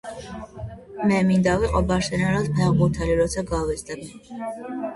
მე მინდა რომ ვიყო ბარსელონას ფეხბურთელი როცა გავიზრდები.